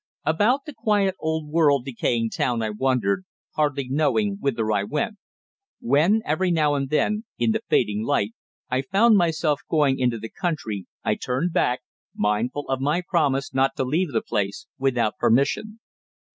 About the quiet, old world decaying town I wandered, hardly knowing whither I went. When, every now and then, in the fading light, I found myself going into the country I turned back, mindful of my promise not to leave the place without permission.